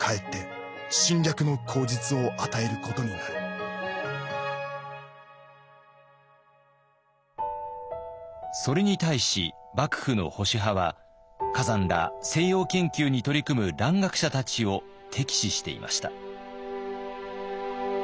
世界の現状から見てそれに対し幕府の保守派は崋山ら西洋研究に取り組む蘭学者たちを敵視していました。